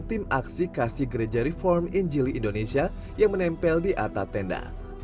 tim aksi kasih gereja reform injili indonesia yang menempel di atap tenda